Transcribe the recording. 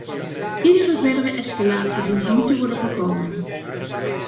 Iedere verdere escalatie dient nu te worden voorkomen.